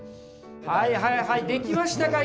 はいはいはい出来ましたか？